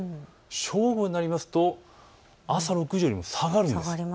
正午になると朝６時よりも下がるんです。